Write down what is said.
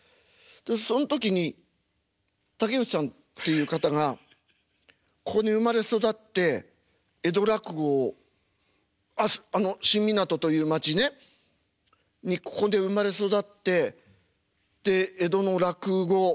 そん時に竹内さんっていう方がここに生まれ育って江戸落語をあの新湊という町ねにここで生まれ育ってで江戸の落語立川談志。